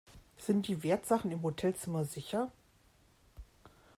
Sind die Wertsachen im Hotelzimmer sicher?